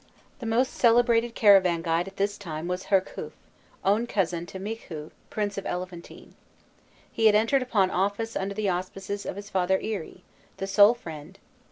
The most celebrated caravan guide at this time was Hirkhûf, own cousin to Mikhû, Prince of Elephantine. He had entered upon office under the auspices of his father Iri, "the sole friend."